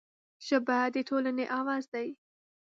ژبه د ټولنې اواز دی